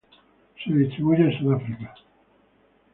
Se distribuye en Sudáfrica.